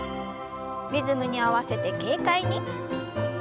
リズムに合わせて軽快に。